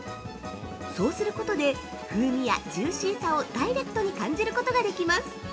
そうすることで風味やジューシーさをダイレクトに感じることができます。